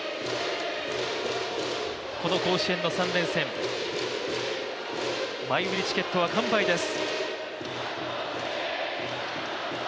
この甲子園の３連戦、前売りチケットは完売です。